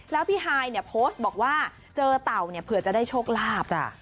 แล้วพี่ฮายเนี่ยโพสต์บอกว่าเจอเต่าเนี่ยเผื่อจะได้โชคลาภ